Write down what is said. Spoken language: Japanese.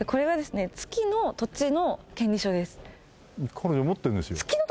彼女持ってるんですよ。